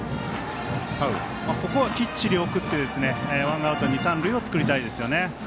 ここはきっちり送ってワンアウト二、三塁を作りたいですよね。